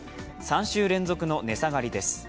３週連続の値下がりです。